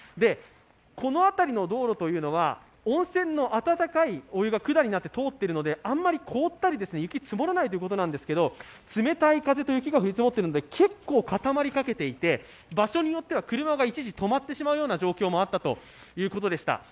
この辺りの道路というのは温泉の温かいお湯が管になって通っているのであまり凍ったり、雪が積もらないということですが、冷たい風と雪が降り積もっているので結構固まりかけていて、場所によっては車が一時止まってしまう状況もあるということでした。